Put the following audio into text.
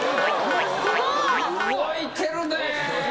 動いてるねえ！